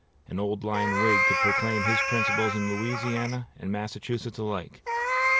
An old line Whig could proclaim his principles in Louisiana and Massachusetts alike.